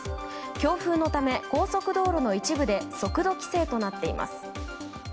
強風のため、高速道路の一部で速度規制となっています。